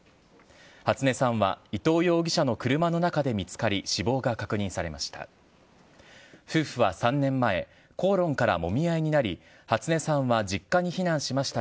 初音さんは伊藤容疑者の車の中で見つかり、死亡が確認されました。